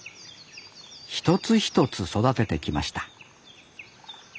一つ一つ育ててきました